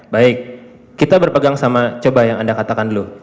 baik kita berpegang sama coba yang anda katakan dulu